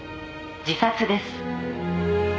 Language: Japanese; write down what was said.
自殺です」